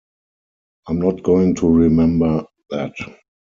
I'm not going to remember that.